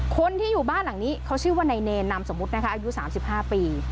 คนที่อยู่บ้านหลังนี้เขาชื่อว่านายเนรนามสมมุตินะคะอายุ๓๕ปี